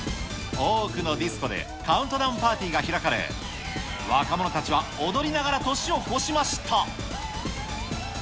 多くのディスコで、カウントダウンパーティーが開かれ、若者たちは踊りながら年を越しました。